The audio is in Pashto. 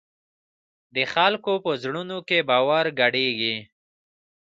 د خلکو په زړونو کې باور ګډېږي.